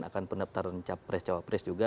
akan pendaftaran capres cawapres juga